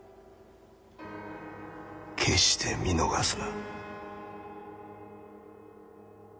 決して見逃すな。